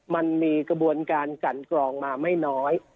มันมีกระบวนการกันกรองมาไม่น้อย